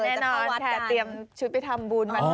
แน่นอนแค่เตรียมชุดไปทำบุญวันนี้